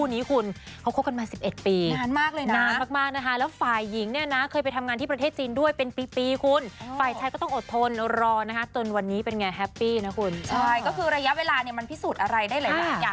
ใช่ก็คือระยะเวลาเนี่ยมันพิสูจน์อะไรได้หลายอย่างอยู่แล้วนะคะ